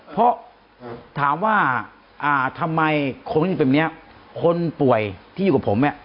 เพราะถามว่าทำไมคนที่เป็นแบบนี้คนป่วยที่อยู่กับผมเนี่ย